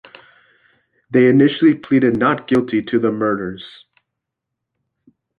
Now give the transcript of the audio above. They initially pleaded not guilty to the murders.